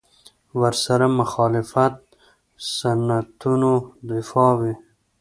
ورسره مخالفت سنتونو دفاع وي.